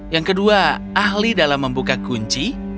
yang kedua ahli dalam membuka kunci